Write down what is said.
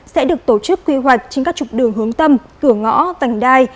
sẽ được tổ chức quy hoạch trên các trục đường hướng tâm cửa ngõ vành đai